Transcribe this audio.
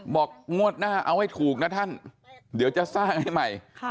บอกงวดหน้าเอาให้ถูกนะท่านเดี๋ยวจะสร้างให้ใหม่